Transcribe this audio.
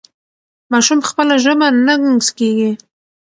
ماشوم په خپله ژبه نه ګنګس کېږي.